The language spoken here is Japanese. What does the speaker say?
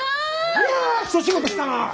いや一仕事したな！